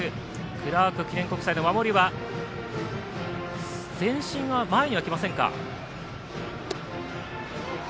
クラーク記念国際の守りは前には来ませんか。